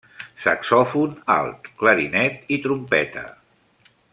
Saxofon alt, clarinet i trompeta.